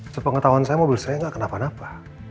sepengetahuan saya mobil saya nggak kenapa napa